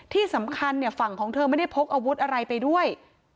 ที่สำคัญฝั่งของเธอไม่ได้พกอาวุธอะไรไปด้วย